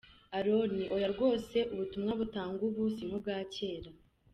Aron : Hoya rwose ubutumwa butangwa ubu si nk’u bwa cyera.